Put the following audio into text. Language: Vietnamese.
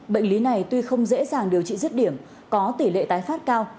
bệnh lý này tuy không dễ dàng điều trị rứt điểm có tỷ lệ tái phát cao